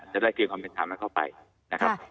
จะได้ความคิดคำสั่งมาเข้าไปนะครับ